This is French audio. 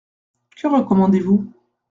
Que recommandez-vous ?